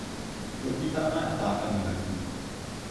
Klopýtáme a tápeme ve tmě.